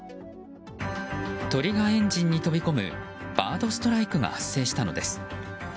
鳥がエンジンに飛び込むバードストライクが発生したのです。